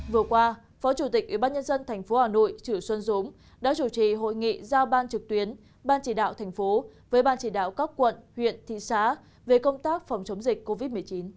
vừa qua phó chủ tịch ubnd tp hà nội chử xuân dũng đã chủ trì hội nghị giao ban trực tuyến ban chỉ đạo thành phố với ban chỉ đạo các quận huyện thị xã về công tác phòng chống dịch covid một mươi chín